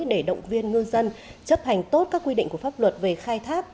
để động viên ngư dân chấp hành tốt các quy định của pháp luật về khai thác